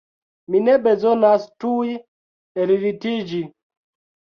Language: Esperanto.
Mi ne bezonas tuj ellitiĝi.